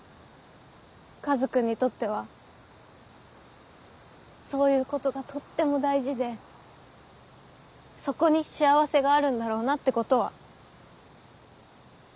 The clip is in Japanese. カズくんにとってはそういうことがとっても大事でそこに幸せがあるんだろうなってことは。